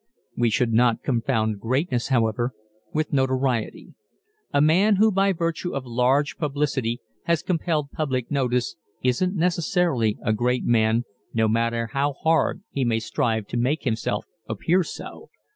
We should not confound greatness, however, with notoriety. A man who by virtue of large publicity has compelled public notice isn't necessarily a great man no matter how hard he may strive to make himself appear so.